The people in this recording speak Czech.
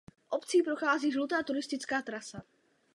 Obcí prochází žlutá turistická trasa.